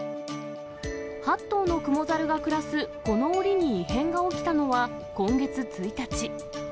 ８頭のクモザルが暮らすこのおりに異変が起きたのは、今月１日。